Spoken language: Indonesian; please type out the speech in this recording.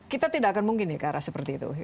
kita tidak akan mungkin ya ke arah seperti itu